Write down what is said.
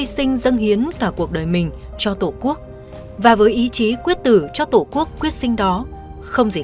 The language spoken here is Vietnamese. tính dâng hiến cả cuộc đời mình cho tổ quốc và với ý chí quyết tử cho tổ quốc quyết sinh đó không gì